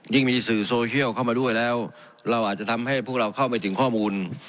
มีสื่อโซเชียลเข้ามาด้วยแล้วเราอาจจะทำให้พวกเราเข้าไปถึงข้อมูล